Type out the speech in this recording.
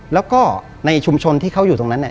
แล้วก็ในชุมชนที่เขาอยู่ตรงนั้นเนี่ย